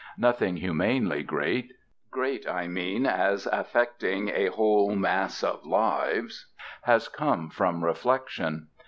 Nothing humanely great great, I mean, as affecting a whole mass of lives has come from reflection.